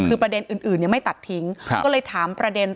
คือประเด็นอื่นยังไม่ตัดทิ้งก็เลยถามประเด็น